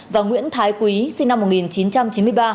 và nguyễn thái quý sinh năm một nghìn chín trăm chín mươi ba